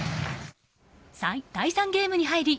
第３ゲームに入り